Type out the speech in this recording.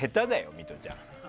ミトちゃん。